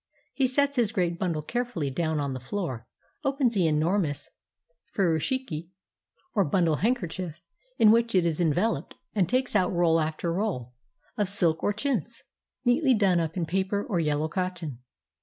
He sets his great bundle care fully down on the floor, opens the enormous furushiki, or bundle handkerchief, in which it is enveloped, and takes out roll after roll of silk or chintz, neatly done up in paper or yellow cotton.